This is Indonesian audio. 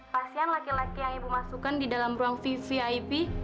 pasien laki laki yang ibu masukkan di dalam ruang vvip